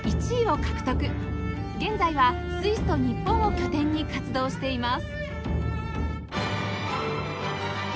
現在はスイスと日本を拠点に活動しています